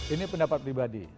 ini pendapat pribadi